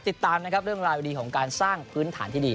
ติดตามเรื่องรายวิธีของการสร้างพื้นฐานที่ดี